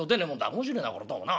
面白えなこれどうもな。